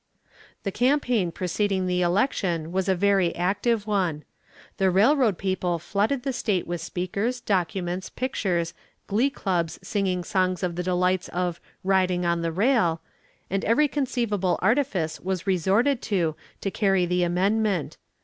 The campaign preceding the election was a very active one. The railroad people flooded the state with speakers, documents, pictures, glee clubs singing songs of the delights of "Riding on the Rail," and every conceivable artifice was resorted to to carry the amendment.